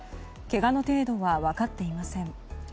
けがの程度は分かっていません。